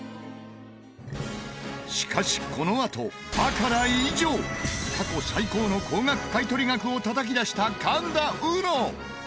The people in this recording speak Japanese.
しかしこのあとバカラ以上過去最高の高額買取額をたたき出した神田うの。